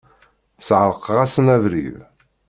Sεerqeɣ-asen abrid.